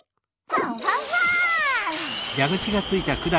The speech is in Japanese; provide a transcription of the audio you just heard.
ファンファンファン！